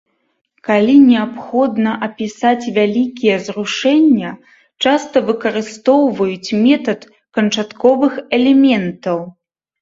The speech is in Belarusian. Калі неабходна апісаць вялікія зрушэння, часта выкарыстоўваюць метад канчатковых элементаў.